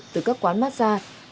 từ các quán massage